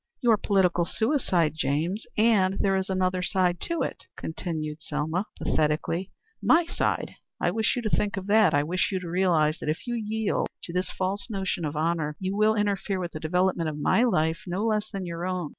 "Your political suicide, James. And there is another side to it," continued Selma, pathetically. "My side. I wish you to think of that. I wish you to realize that, if you yield to this false notion of honor, you will interfere with the development of my life no less than your own.